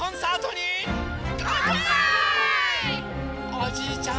おじいちゃん